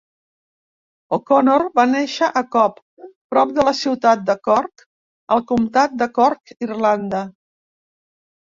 O'Connor va néixer a Cobh, prop de la ciutat de Cork, al comtat de Cork, Irlanda.